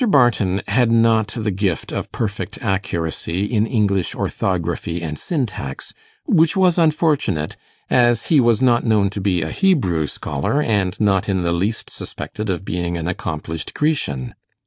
Barton had not the gift of perfect accuracy in English orthography and syntax, which was unfortunate, as he was known not to be a Hebrew scholar, and not in the least suspected of being an accomplished Grecian.